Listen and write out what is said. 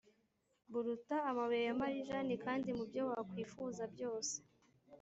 buruta amabuye ya marijani, kandi mu byo wakwifuza byose,